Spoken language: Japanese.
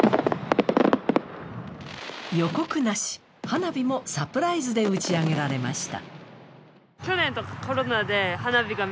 予告なし、花火もサプライズで打ち上げられました。